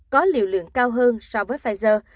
có liệu lượng cao hơn so với pfizer